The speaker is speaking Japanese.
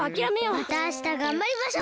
またあしたがんばりましょう！